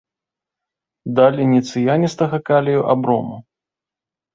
Далі не цыяністага калію, а брому.